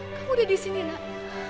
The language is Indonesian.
kamu udah disini nak